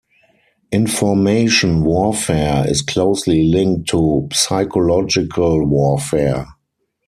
Information warfare is closely linked to psychological warfare.